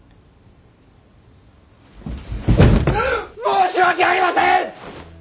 申し訳ありません！